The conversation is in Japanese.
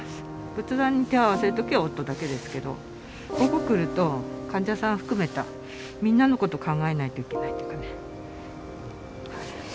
仏壇に手を合わせる時は夫だけですけどここ来ると患者さん含めたみんなのこと考えないといけないっていうかね。